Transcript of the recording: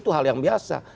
itu hal yang biasa